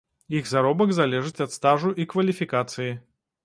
Іх заробак залежыць ад стажу і кваліфікацыі.